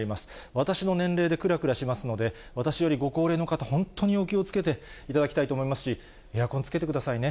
私の年齢でくらくらしますので、私よりご高齢の方、本当にお気をつけていただきたいと思いますし、エアコンつけてくださいね。